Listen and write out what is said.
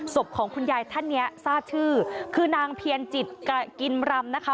ศพของคุณยายท่านเนี้ยทราบชื่อคือนางเพียรจิตกินรำนะคะ